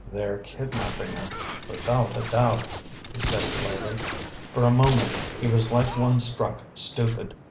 "They're kidnapping her, without a doubt," he said slowly. For a moment he was like one struck stupid.